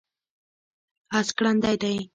اس ګړندی دی